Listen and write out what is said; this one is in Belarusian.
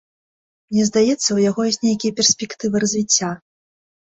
Мне здаецца, у яго ёсць нейкія перспектывы развіцця.